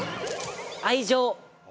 愛情？